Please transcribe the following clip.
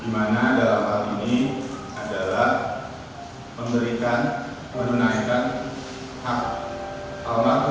di mana dalam hal ini adalah memberikan menunaikan hak pelaku